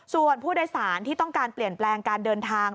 ส่วนผู้โดยสารที่ต้องการเปลี่ยนแปลงการเดินทาง